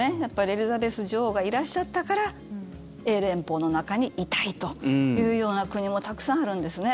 エリザベス女王がいらっしゃったから英連邦の中にいたいというような国もたくさんあるんですね。